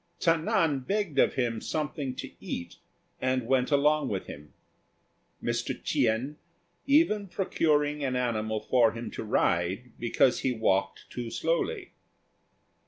Ta nan begged of him something to eat, and went along with him; Mr. Ch'ien even procuring an animal for him to ride because he walked too slowly.